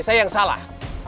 saya yang salah